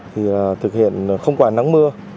thì thực hiện không quả nắng mưa